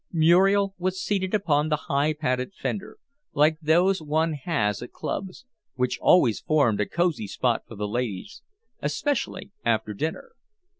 Muriel was seated upon the high padded fender like those one has at clubs which always formed a cosy spot for the ladies, especially after dinner.